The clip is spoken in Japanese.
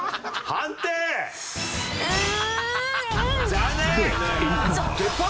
残念！